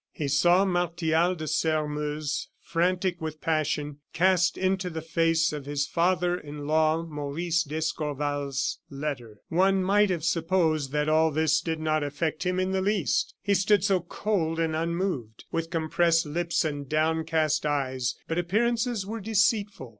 He saw Martial de Sairmeuse, frantic with passion, cast into the face of his father in law Maurice d'Escorval's letter. One might have supposed that all this did not affect him in the least, he stood so cold and unmoved, with compressed lips and downcast eyes; but appearances were deceitful.